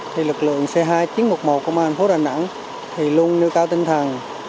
thì lực lượng c hai chín trăm một mươi một của thành phố đà nẵng thì luôn nưu cao tinh thần